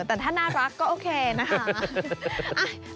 แต่ถ้าน่ารักก็โอเคนะคะ